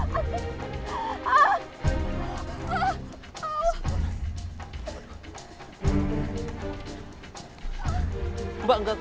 toho aku bersama owok